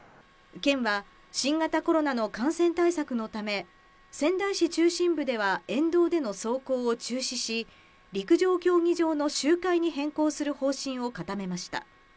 県は新型コロナの感染対策のため、仙台市中心部では沿道での走行を中止し、陸上競技場の周回に変更する方針を固めました。